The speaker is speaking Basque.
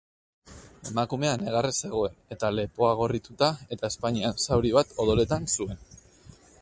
Emakumea negarrez zegoen eta lepoa gorrituta eta ezpainean zauri bat odoletan zuen.